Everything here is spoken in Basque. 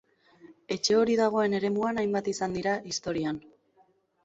Etxe hori dagoen eremuan hainbat izan dira, historian.